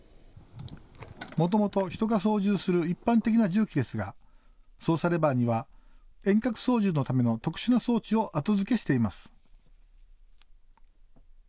もともと人が操縦する一般的な重機ですが操作レバーには遠隔操縦のための特殊な装置を後付けしています。